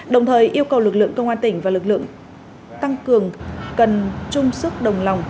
đồng thời yêu cầu lực lượng công an tỉnh và lực lượng tăng cường cần chung sức đồng lòng